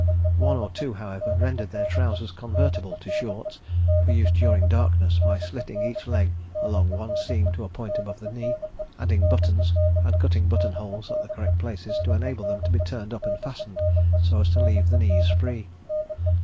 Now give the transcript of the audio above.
One or two, however, rendered their trousers convertible to "shorts," for use during darkness, by slitting each leg along one seam to a point above the knee, adding buttons and cutting button holes at the correct places to enable them to be turned up and fastened, so as to leave the knees free.